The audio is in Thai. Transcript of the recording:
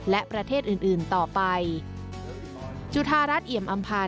และประเทศอื่นต่อไป